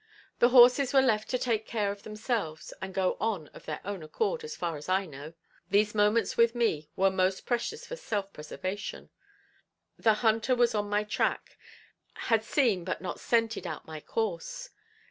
The horses were left to take care of themselves, and go on of their own accord, as far as I know. These moments with me were most precious for self preservation. The hunter was on my track, had seen but not scented out my course.